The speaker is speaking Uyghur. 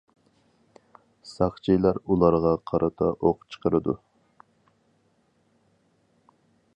ساقچىلار ئۇلارغا قارىتا ئوق چىقىرىدۇ.